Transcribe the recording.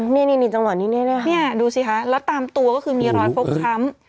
นี่จังหวะนี้ดูสิคะแล้วตามตัวก็คือมีรอยฟกช้ำ